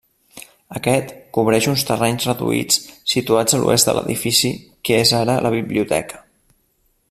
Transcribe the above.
Aquest cobreix uns terrenys reduïts situats a l'oest de l'edifici que és ara la biblioteca.